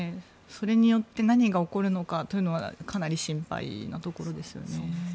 それによって何が起こるのかというのはかなり心配なところですよね。